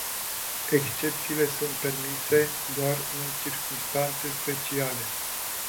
Excepțiile sunt permise doar în circumstanțe speciale.